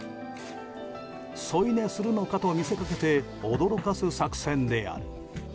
添い寝するのかと見せかけて驚かす作戦である。